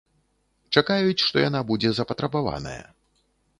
Чакаюць, што яна будзе запатрабаваная.